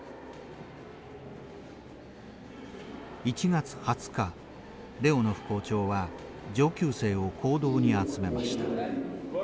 １月２０日レオノフ校長は上級生を講堂に集めました。